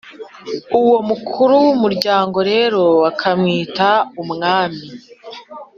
uwo mukuru w’umuryango rero bakamwita umwami.